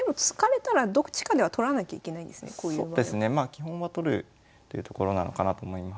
基本は取るというところなのかなと思います。